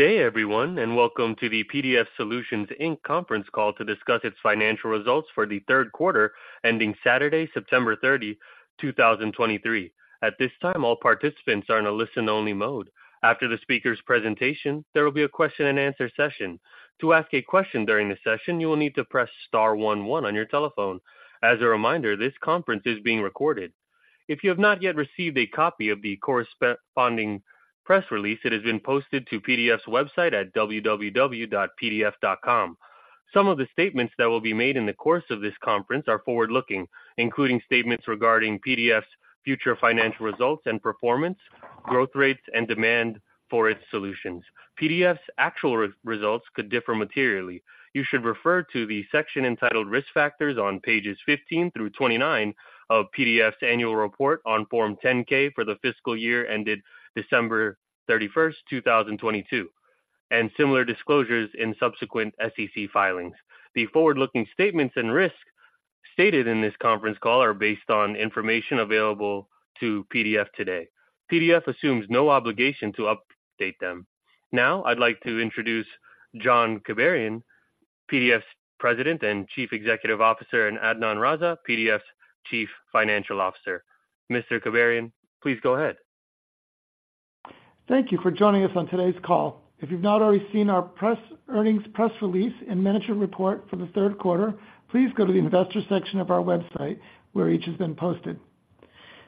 Good day, everyone, and welcome to the PDF Solutions, Inc conference call to discuss its financial results for the Q3, ending Saturday, September 30, 2023. At this time, all participants are in a listen-only mode. After the speaker's presentation, there will be a question-and-answer session. To ask a question during the session, you will need to press star one, one on your telephone. As a reminder, this conference is being recorded. If you have not yet received a copy of the corresponding press release, it has been posted to PDF's website at www.pdf.com. Some of the statements that will be made in the course of this conference are forward-looking, including statements regarding PDF's future financial results and performance, growth rates, and demand for its solutions. PDF's actual results could differ materially. You should refer to the section entitled Risk Factors on pages 15 through 29 of PDF's annual report on Form 10-K for the fiscal year ended December 31, 2022, and similar disclosures in subsequent SEC filings. The forward-looking statements and risks stated in this conference call are based on information available to PDF today. PDF assumes no obligation to update them. Now, I'd like to introduce John Kibarian, PDF's President and Chief Executive Officer, and Adnan Raza, PDF's Chief Financial Officer. Mr. Kibarian, please go ahead. Thank you for joining us on today's call. If you've not already seen our earnings press release and management report for the Q3, please go to the investor section of our website, where each has been posted.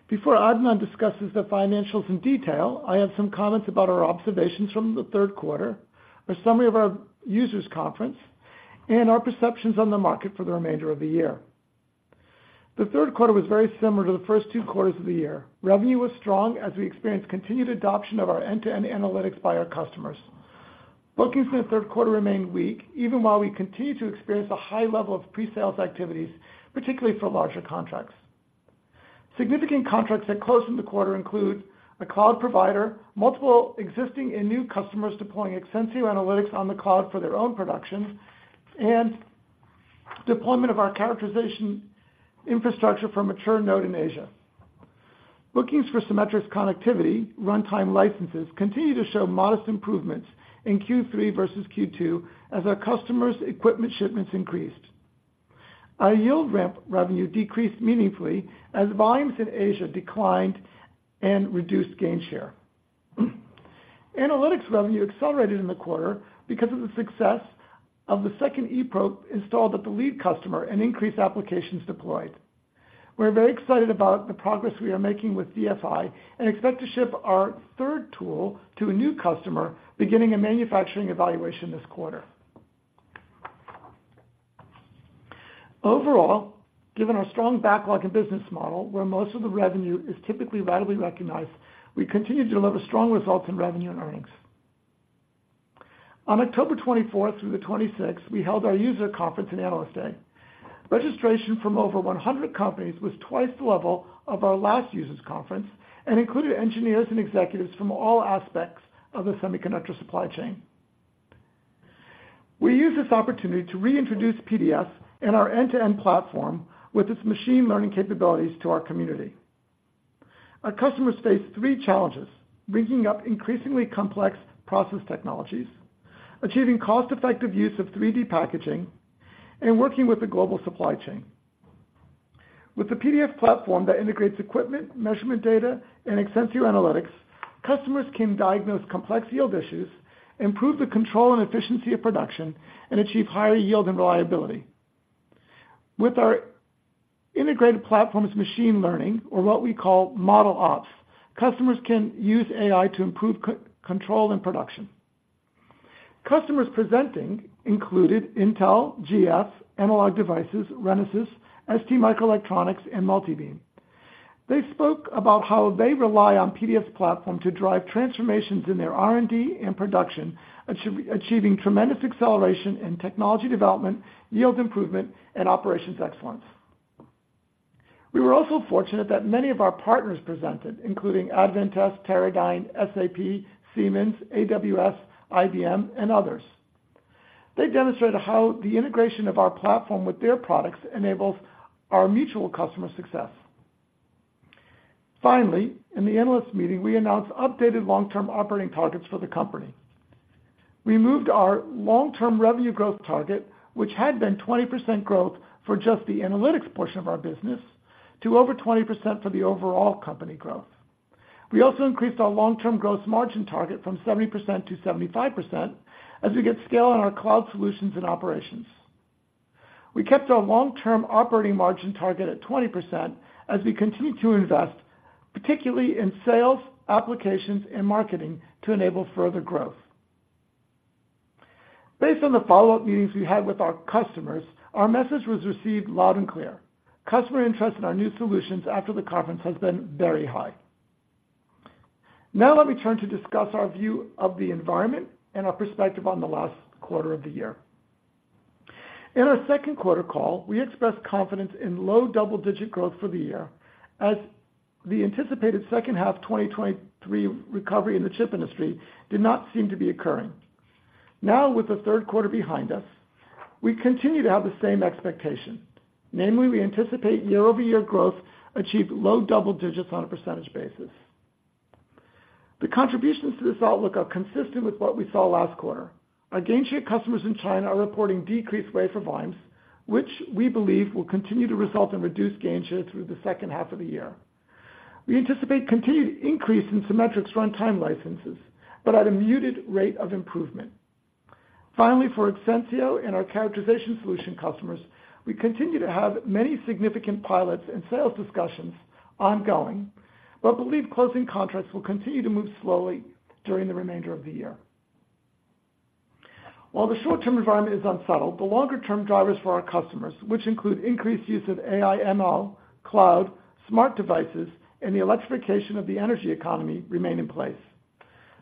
Before Adnan discusses the financials in detail, I have some comments about our observations from the Q3, a summary of our User Conference, and our perceptions on the market for the remainder of the year. The Q3 was very similar to the first two quarters of the year. Revenue was strong as we experienced continued adoption of our end-to-end analytics by our customers. Bookings for the Q3 remained weak, even while we continued to experience a high level of pre-sales activities, particularly for larger contracts. Significant contracts that closed in the quarter include a cloud provider, multiple existing and new customers deploying extensive analytics on the cloud for their own production, and deployment of our characterization infrastructure for mature node in Asia. Bookings for Cimetrix Connectivity, runtime licenses continue to show modest improvements in Q3 versus Q2 as our customers' equipment shipments increased. Our yield ramp revenue decreased meaningfully as volumes in Asia declined and reduced Gainshare. Analytics revenue accelerated in the quarter because of the success of the second eProbe installed at the lead customer and increased applications deployed. We're very excited about the progress we are making with DFI and expect to ship our third tool to a new customer, beginning a manufacturing evaluation this quarter. Overall, given our strong backlog and business model, where most of the revenue is typically ratably recognized, we continue to deliver strong results in revenue and earnings. On October 24th through the 26th, we held our User Conference and Analyst Day. Registration from over 100 companies was twice the level of our last User Conference and included engineers and executives from all aspects of the semiconductor supply chain. We used this opportunity to reintroduce PDF Solutions and our end-to-end platform with its machine learning capabilities to our community. Our customers face three challenges: bringing up increasingly complex process technologies, achieving cost-effective use of 3D packaging, and working with the global supply chain. With the PDF Solutions platform that integrates equipment, measurement data, and extensive analytics, customers can diagnose complex yield issues, improve the control and efficiency of production, and achieve higher yield and reliability. With our integrated platform's machine learning, or what we call ModelOps, customers can use AI to improve process control and production. Customers presenting included Intel, GF, Analog Devices, Renesas, STMicroelectronics, and Multibeam. They spoke about how they rely on PDF's platform to drive transformations in their R&D and production, achieving tremendous acceleration in technology development, yield improvement, and operations excellence. We were also fortunate that many of our partners presented, including Advantest, Teradyne, SAP, Siemens, AWS, IBM, and others. They demonstrated how the integration of our platform with their products enables our mutual customer success. Finally, in the analyst meeting, we announced updated long-term operating targets for the company. We moved our long-term revenue growth target, which had been 20% growth for just the analytics portion of our business, to over 20% for the overall company growth. We also increased our long-term growth margin target from 70% to 75% as we get scale in our cloud solutions and operations. We kept our long-term operating margin target at 20% as we continue to invest, particularly in sales, applications, and marketing, to enable further growth. Based on the follow-up meetings we had with our customers, our message was received loud and clear. Customer interest in our new solutions after the conference has been very high. Now let me turn to discuss our view of the environment and our perspective on the last quarter of the year. In our Q3 call, we expressed confidence in low double-digit growth for the year, as the anticipated second half 2023 recovery in the chip industry did not seem to be occurring. Now, with the Q3 behind us, we continue to have the same expectation. Namely, we anticipate year-over-year growth to achieve low double-digit on a percentage basis. The contributions to this outlook are consistent with what we saw last quarter. Our Gainshare customers in China are reporting decreased wafer volumes, which we believe will continue to result in reduced Gainshare through the second half of the year. We anticipate continued increase in Cimetrix runtime licenses, but at a muted rate of improvement. Finally, for Exensio and our characterization solution customers, we continue to have many significant pilots and sales discussions ongoing, but believe closing contracts will continue to move slowly during the remainder of the year. While the short-term environment is unsettled, the longer-term drivers for our customers, which include increased use of AI/ML, cloud, smart devices, and the electrification of the energy economy, remain in place.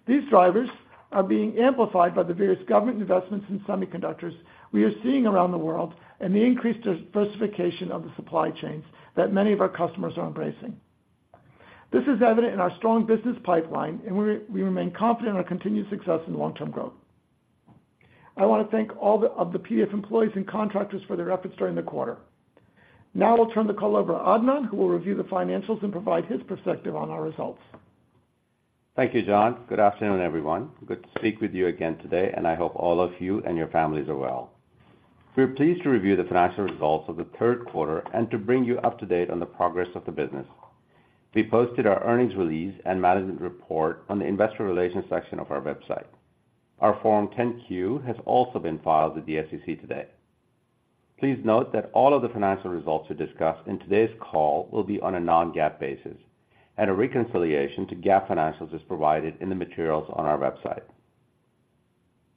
These drivers are being amplified by the various government investments in semiconductors we are seeing around the world, and the increased diversification of the supply chains that many of our customers are embracing. This is evident in our strong business pipeline, and we remain confident in our continued success and long-term growth. I want to thank all of the PDF employees and contractors for their efforts during the quarter. Now I'll turn the call over to Adnan, who will review the financials and provide his perspective on our results. Thank you, John. Good afternoon, everyone. Good to speak with you again today, and I hope all of you and your families are well. We're pleased to review the financial results of the Q3 and to bring you up to date on the progress of the business. We posted our earnings release and management report on the investor relations section of our website. Our Form 10-Q has also been filed with the SEC today. Please note that all of the financial results we discussed in today's call will be on a non-GAAP basis, and a reconciliation to GAAP financials is provided in the materials on our website.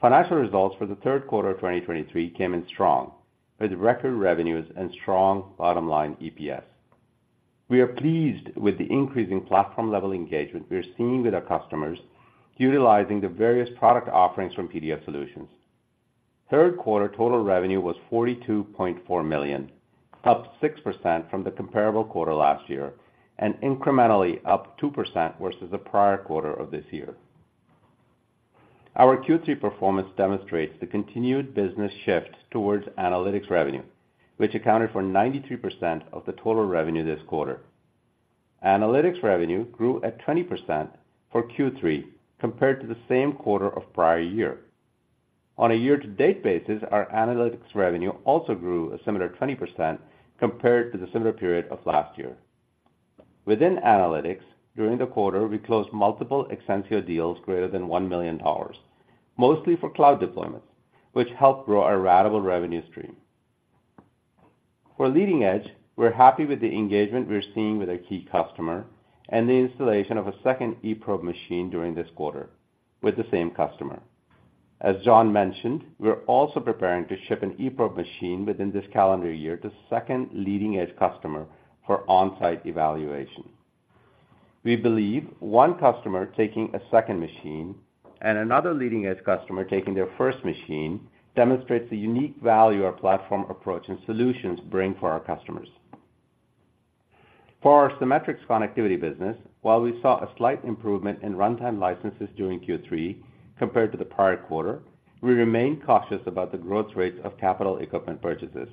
Financial results for the Q3 of 2023 came in strong, with record revenues and strong bottom line EPS. We are pleased with the increasing platform-level engagement we are seeing with our customers utilizing the various product offerings from PDF Solutions. Q3 total revenue was $42.4 million, up 6% from the comparable quarter last year and incrementally up 2% versus the prior quarter of this year. Our Q3 performance demonstrates the continued business shift towards analytics revenue, which accounted for 92% of the total revenue this quarter. Analytics revenue grew at 20% for Q3 compared to the same quarter of prior year. On a year-to-date basis, our analytics revenue also grew a similar 20% compared to the similar period of last year. Within analytics, during the quarter, we closed multiple Exensio deals greater than $1 million, mostly for cloud deployments, which helped grow our ratable revenue stream. For leading edge, we're happy with the engagement we're seeing with our key customer and the installation of a second eProbe machine during this quarter with the same customer. As John mentioned, we're also preparing to ship an eProbe machine within this calendar year to second leading edge customer for on-site evaluation. We believe one customer taking a second machine and another leading edge customer taking their first machine demonstrates the unique value our platform approach and solutions bring for our customers. For our Cimetrix Connectivity business, while we saw a slight improvement in runtime licenses during Q3 compared to the prior quarter, we remain cautious about the growth rates of capital equipment purchases.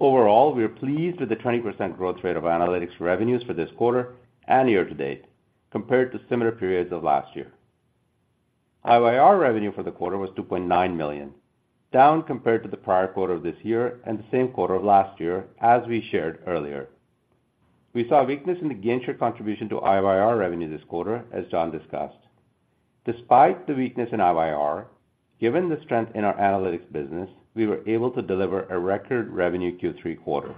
Overall, we are pleased with the 20% growth rate of analytics revenues for this quarter and year-to-date compared to similar periods of last year. IYR revenue for the quarter was $2.9 million, down compared to the prior quarter of this year and the same quarter of last year, as we shared earlier. We saw a weakness in the Gainshare contribution to IYR revenue this quarter, as John discussed. Despite the weakness in IYR, given the strength in our analytics business, we were able to deliver a record revenue in Q3.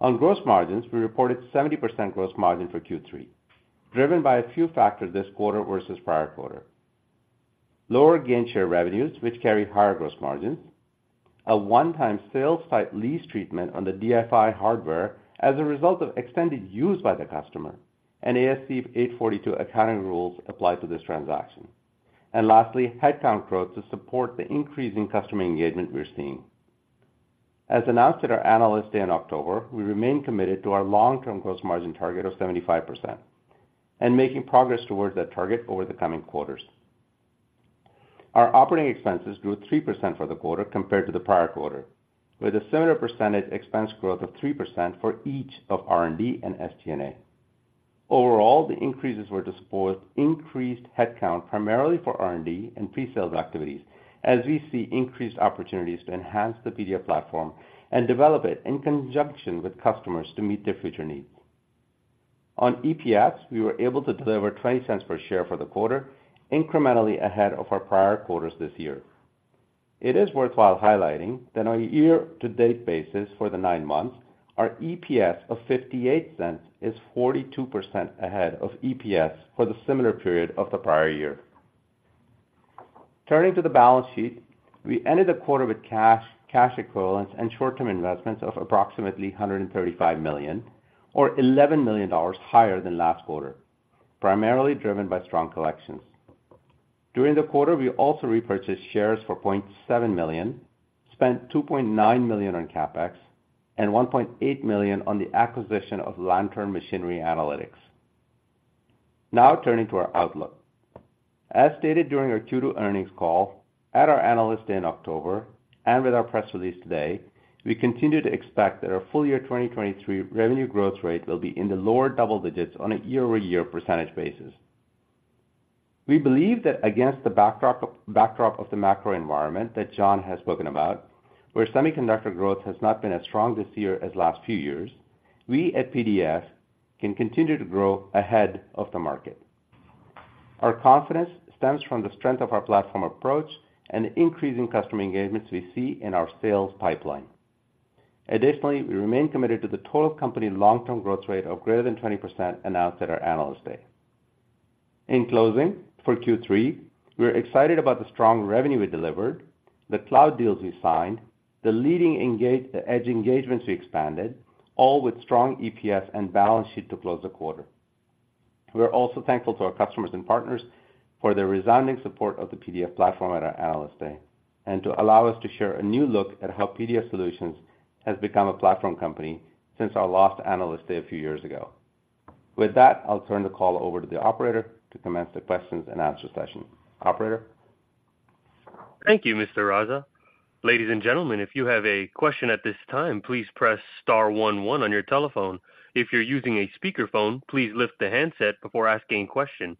On gross margins, we reported 70% gross margin for Q3, driven by a few factors this quarter versus prior quarter. Lower gainshare revenues, which carry higher gross margins, a one-time sales-type lease treatment on the DFI hardware as a result of extended use by the customer, and ASC 842 accounting rules apply to this transaction. And lastly, headcount growth to support the increase in customer engagement we're seeing. As announced at our Analyst Day in October, we remain committed to our long-term gross margin target of 75% and making progress towards that target over the coming quarters. Our operating expenses grew 3% for the quarter compared to the prior quarter, with a similar percentage expense growth of 3% for each of R&D and SG&A. Overall, the increases were to support increased headcount, primarily for R&D and pre-sales activities, as we see increased opportunities to enhance the PDF platform and develop it in conjunction with customers to meet their future needs. On EPS, we were able to deliver $0.20 per share for the quarter, incrementally ahead of our prior quarters this year. It is worthwhile highlighting that on a year-to-date basis for the nine months, our EPS of $0.58 is 42% ahead of EPS for the similar period of the prior year. Turning to the balance sheet, we ended the quarter with cash, cash equivalents, and short-term investments of approximately $135 million, or $11 million higher than last quarter, primarily driven by strong collections. During the quarter, we also repurchased shares for $0.7 million, spent $2.9 million on CapEx, and $1.8 million on the acquisition of Lantern Machinery Analytics. Now turning to our outlook. As stated during our Q2 earnings call, at our Analyst Day in October, and with our press release today, we continue to expect that our full year 2023 revenue growth rate will be in the lower double-digit on a year-over-year percentage basis. We believe that against the backdrop of the macro environment that John has spoken about, where semiconductor growth has not been as strong this year as last few years, we at PDF can continue to grow ahead of the market. Our confidence stems from the strength of our platform approach and the increasing customer engagements we see in our sales pipeline. Additionally, we remain committed to the total company long-term growth rate of greater than 20% announced at our Analyst Day. In closing, for Q3, we're excited about the strong revenue we delivered, the cloud deals we signed, the leading edge engagements we expanded, all with strong EPS and balance sheet to close the quarter. We are also thankful to our customers and partners for their resounding support of the PDF platform at our Analyst Day, and to allow us to share a new look at how PDF Solutions has become a platform company since our last Analyst Day a few years ago. With that, I'll turn the call over to the operator to commence the questions and answer session. Operator? Thank you, Mr. Raza. Ladies and gentlemen, if you have a question at this time, please press star one one on your telephone. If you're using a speakerphone, please lift the handset before asking a question.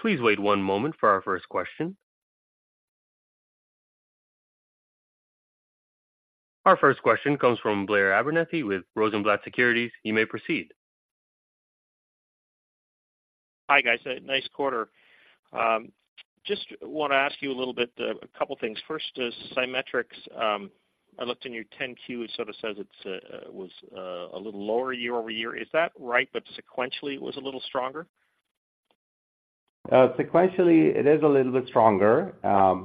Please wait one moment for our first question. Our first question comes from Blair Abernethy with Rosenblatt Securities. You may proceed. Hi, guys. Nice quarter. Just want to ask you a little bit, a couple things. First, is Cimetrix, I looked in your 10-Q. It sort of says it was a little lower year-over-year. Is that right, but sequentially, it was a little stronger? Sequentially, it is a little bit stronger,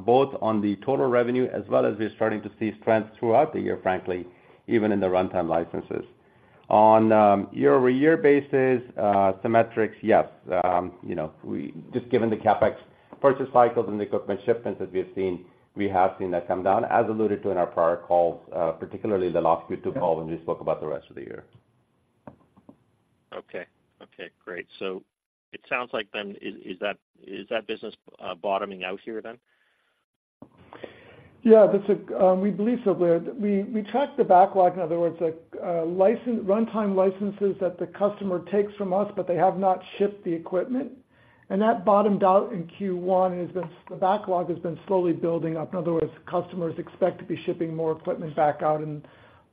both on the total revenue as well as we're starting to see strength throughout the year, frankly, even in the runtime licenses. On year-over-year basis, Cimetrix, yes. You know, we just given the CapEx purchase cycles and the equipment shipments that we have seen, we have seen that come down, as alluded to in our prior calls, particularly the last few calls when we spoke about the rest of the year. Okay. Okay, great. So it sounds like then, is that business bottoming out here, then? Yeah, that's, We believe so, Blair. We tracked the backlog, in other words, like, license runtime licenses that the customer takes from us, but they have not shipped the equipment. And that bottomed out in Q1 and has been slowly building up. In other words, customers expect to be shipping more equipment back out in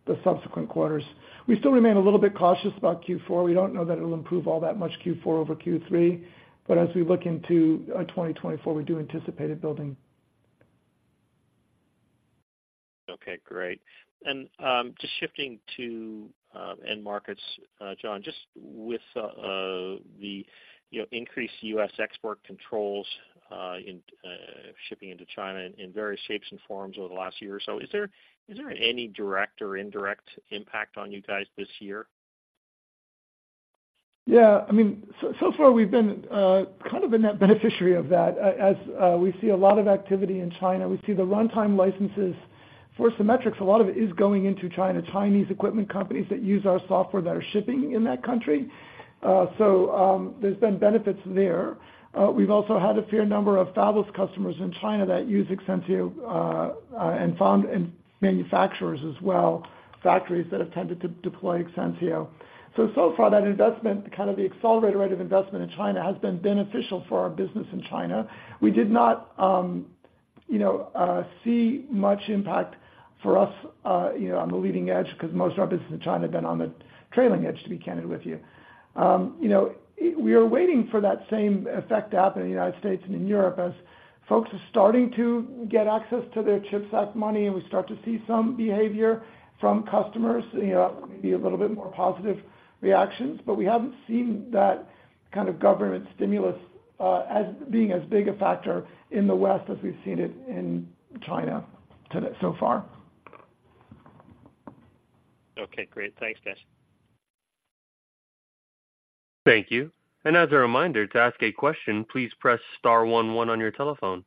the subsequent quarters. We still remain a little bit cautious about Q4. We don't know that it'll improve all that much Q4 over Q3, but as we look into 2024, we do anticipate it building. Okay, great. And just shifting to end markets, John, just with the, you know, increased U.S. export controls in shipping into China in various shapes and forms over the last year or so, is there any direct or indirect impact on you guys this year? Yeah, I mean, so, so far we have been kind of a net beneficiary of that. As we see a lot of activity in China. We see the runtime licenses for Cimetrix. A lot of it is going into China. Chinese equipment companies that use our software that are shipping in that country. So, there's been benefits there. We've also had a fair number of fabless customers in China that use Exensio, and foundry manufacturers as well, factories that have tended to deploy Exensio. So, so far, that investment, kind of the accelerated rate of investment in China, has been beneficial for our business in China. We did not, you know, see much impact for us, you know, on the leading edge, because most of our business in China have been on the trailing edge, to be candid with you. You know, we are waiting for that same effect to happen in the United States and in Europe as folks are starting to get access to their CHIPS Act money, and we start to see some behavior from customers, you know, maybe a little bit more positive reactions. But we haven't seen that kind of government stimulus, as being as big a factor in the West as we've seen it in China so far. Okay, great. Thanks, guys. Thank you. And as a reminder, to ask a question, please press star one one on your telephone.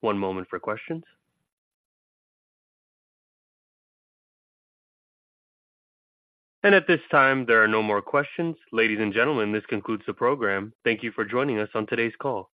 One moment for questions. And at this time, there are no more questions. Ladies and gentlemen, this concludes the program. Thank you for joining us on today's call.